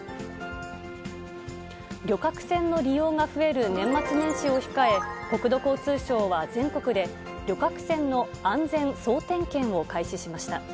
旅客船の利用が増える年末年始を控え、国土交通省は全国で、旅客船の安全総点検を開始しました。